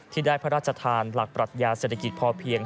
ที่ได้พระราชทานหลักปรัชญาเศรษฐกิจพอเพียง